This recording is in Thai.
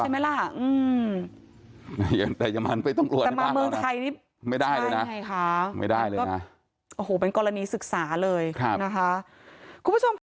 ไม่ต้องกลัวอย่างนี้ใช่ไหมล่ะแต่มาเมืองไทยนี่ไม่ได้เลยนะไม่ได้เลยนะโอ้โหเป็นกรณีศึกษาเลยนะคะ